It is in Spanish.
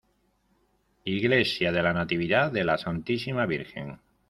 Iglesia de la Natividad de la Santísima Virgen.